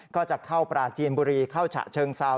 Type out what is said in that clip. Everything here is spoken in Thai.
ก็จะเข้าปราจีนบุรีเข้าฉะเชิงเซา